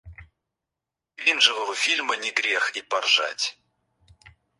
С кринжового фильма не грех и поржать.